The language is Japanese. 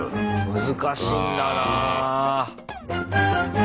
難しいんだな。